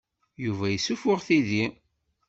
Yuba yessuffuɣ tidi.